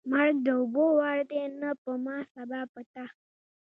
مرګ د اوبو وار دی نن په ما ، سبا په تا.